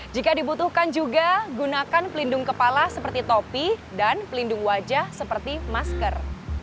jika dibutuhkan juga gunakan pelindung kepala seperti topi dan pelindung wajah seperti masker